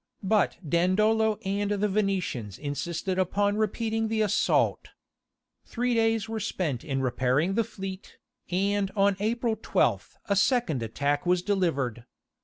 But Dandolo and the Venetians insisted upon repeating the assault. Three days were spent in repairing the fleet, and on April 12th a second attack was delivered.